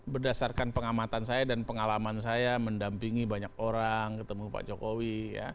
berdasarkan pengamatan saya dan pengalaman saya mendampingi banyak orang ketemu pak jokowi